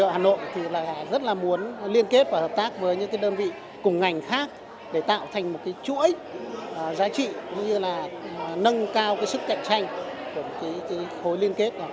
hà nội rất là muốn liên kết và hợp tác với những đơn vị cùng ngành khác để tạo thành một chuỗi giá trị như là nâng cao sức cạnh tranh của khối liên kết